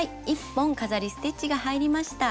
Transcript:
１本飾りステッチが入りました。